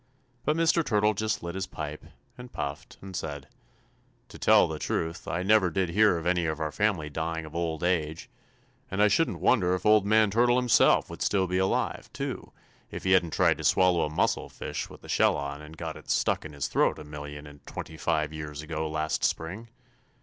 But Mr. Turtle just lit his pipe, and puffed, and said: "'To tell the truth, I never did hear of any of our family dying of old age, and I shouldn't wonder if Old Man Turtle Himself would still be alive, too, if he hadn't tried to swallow a mussel fish with the shell on and got it stuck in his throat a million and twenty five years ago last spring.